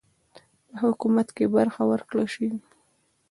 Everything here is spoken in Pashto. په حکومت کې برخه ورکړه سي.